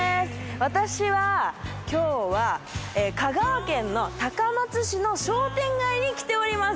私は今日は香川県の高松市の商店街に来ております。